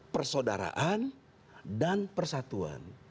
persaudaraan dan persatuan